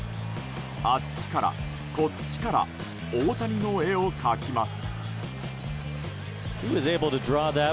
あっちから、こっちから大谷の絵を描きます。